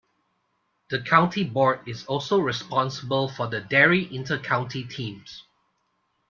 The county board is also responsible for the Derry inter-county teams.